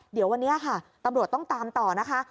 เดี๋ยววันนี้ค่ะตำรวจต้องตามต่อนะคะ